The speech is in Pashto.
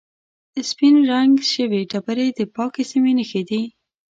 سپینې رنګ شوې ډبرې د پاکې سیمې نښې دي.